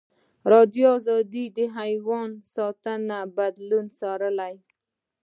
ازادي راډیو د حیوان ساتنه بدلونونه څارلي.